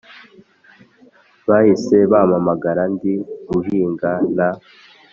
Bahise bampamagara ndi guhinga n